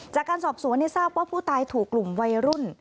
จากการสอบสวนทราบว่าผู้ตายถูกกลุ่มวัยรุ่น